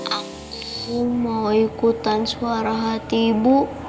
aku mau ikutan suara hati ibu